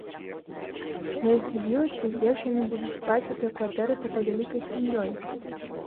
Я здзівілася, дзе ж яны будуць спаць у той кватэры такой вялікай сям'ёй?